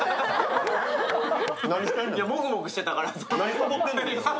もぐもぐしてたから。